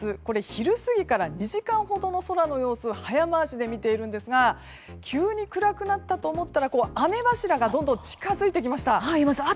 昼過ぎから２時間ほどの空の様子を早回しで見ているんですが急に暗くなったと思ったら雨柱がどんどん近づいてきました。